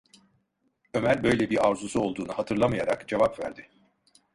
Ömer böyle bir arzusu olduğunu hatırlamayarak cevap verdi: